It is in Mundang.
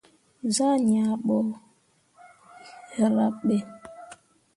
Zah ŋiah ɓo hǝraɓ ɓe.